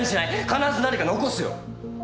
必ず何か残すよ！